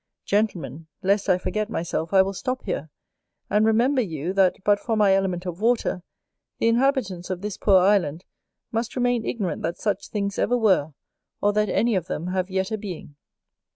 Gentlemen, lest I forget myself, I will stop here, and remember you, that but for my element of water, the inhabitants of this poor island must remain ignorant that such things ever were, or that any of them have yet a being.